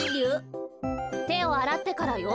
てをあらってからよ。